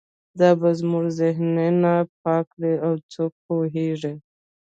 دا به زموږ ذهنونه پاک کړي او څوک پوهیږي